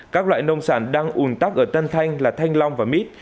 các loại nông sản đang ủn tắc ở tân thanh là thanh long và mít